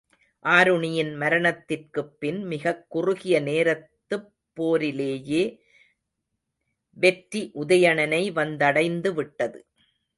ஆருணியின் மரணத்திற்குப்பின் மிகக் குறுகிய நேரத்துப் போரிலேயே வெற்றி உதயணனை வந்தடைந்துவிட்டது.